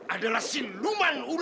adalah sin luman ular